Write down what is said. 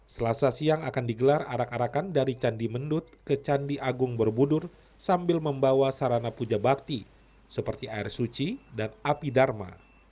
selasa siang akan digelar arak arakan dari candi mendut ke candi agung berbudur sambil membawa sarana puja bakti seperti air suci dan api dharma